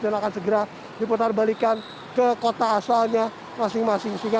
dan akan segera diputarbalikan ke kota asalnya masing masing